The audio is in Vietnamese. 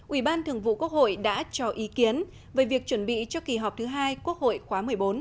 ủy ban thường vụ quốc hội đã cho ý kiến về việc chuẩn bị cho kỳ họp thứ hai quốc hội khóa một mươi bốn